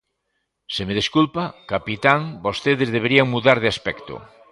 Se me desculpa, capitán, vostedes deberían mudar de aspecto.